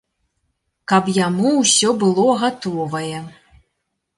Каб яму ўсё было гатовае.